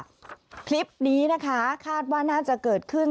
คลิปนี้นะคะคาดว่าน่าจะเกิดขึ้น